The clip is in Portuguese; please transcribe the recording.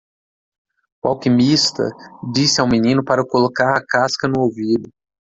O alquimista disse ao menino para colocar a casca no ouvido.